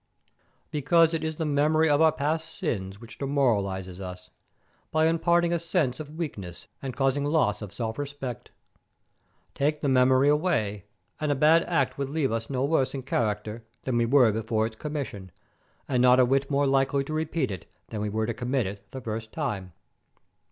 "Because it is the memory of our past sins which demoralizes as, by imparting a sense of weakness and causing loss of self respect. Take the memory away, and a bad act would leave us no worse in character than we were before its commission, and not a whit more likely to repeat it than we were to commit it the first time."